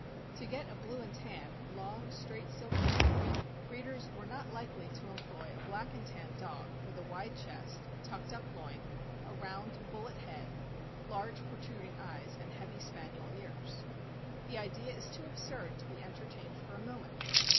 To get a blue and tan, long, straight, silky coat, breeders were not likely to employ a black and tan dog with a wide chest, tucked up loin, a round, bullet head, large, protruding eyes, and heavy Spaniel ears. The idea is too absurd to be enter tained for a moment.